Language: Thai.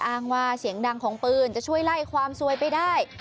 อ้างว่าเสียงดังของปืนจะช่วยไล่ความซวยไปได้